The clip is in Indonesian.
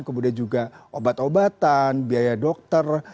kemudian juga obat obatan biaya dokter